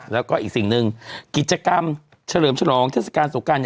แล้วก็อีกสิ่งหนึ่งกิจกรรมเฉลิมฉลองเทศกาลสงการ